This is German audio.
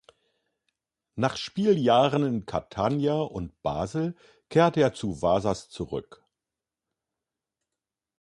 Nach Spieljahren in Catania und Basel kehrte er zu Vasas zurück.